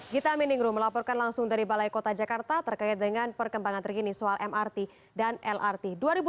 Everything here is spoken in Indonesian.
danian langsung dari balai kota jakarta terkait dengan perkembangan terkini soal mrt dan lrt dua ribu delapan belas